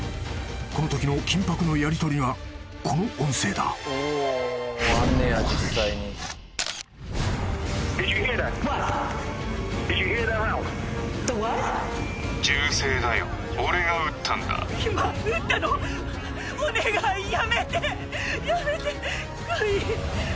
［このときの緊迫のやりとりがこの音声だ］やめてクイン！